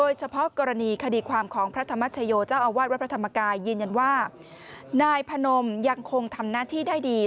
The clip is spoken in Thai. ยังว่านายพนมยังคงทำหน้าที่ได้ดี